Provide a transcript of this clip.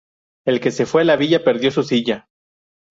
El que se fue a Sevilla perdió su silla